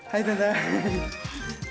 hai tante ati